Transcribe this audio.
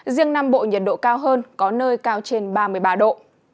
riêng nam bộ nhiệt độ cao hơn có nơi cao trên ba mươi ba độ